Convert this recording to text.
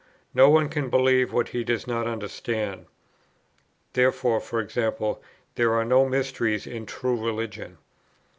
No one can believe what he does not understand. Therefore, e.g. there are no mysteries in true religion.